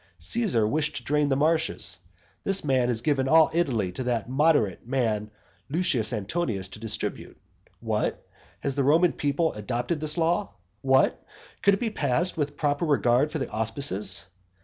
Caesar wished to drain the marshes: this man has given all Italy to that moderate man Lucius Antonius to distribute. What? has the Roman people adopted this law? What? could it be passed with a proper regard for the auspices?